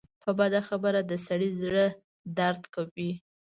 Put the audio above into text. په بده خبره د سړي زړۀ دړد کوي